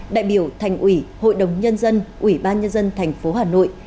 đại biểu thành ủy hội đồng nhân dân ủy ban nhân dân tp hà nội